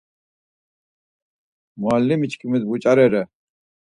Mualimiçkimis vuç̌arare?